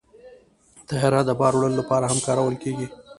طیاره د بار وړلو لپاره هم کارول کېږي.